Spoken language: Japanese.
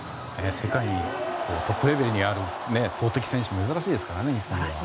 世界のトップレベルにある投てき選手は珍しいですからね、日本では。